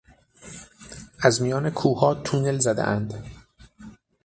از میان کوهها تونل زدهاند.